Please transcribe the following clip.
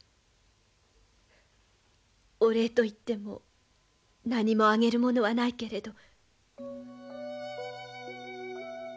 お礼といっても何もあげるものはないけれど。